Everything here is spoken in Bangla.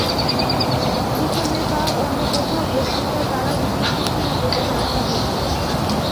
এখানে বা অন্য কোথাও বক্তৃতার দ্বারা বিশেষ কিছু হবে বলে আশা করি না।